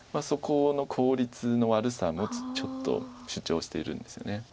そこの効率の悪さもちょっと主張しているんですよね。